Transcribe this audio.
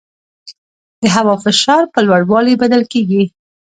د هوا فشار په لوړوالي بدل کېږي.